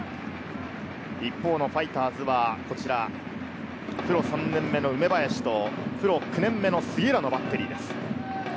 一方のファイターズは、こちらプロ３年目の梅林と、プロ９年目の杉浦のバッテリーです。